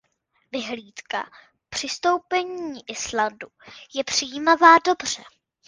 Vyhlídka přistoupení Islandu je přijímána dobře.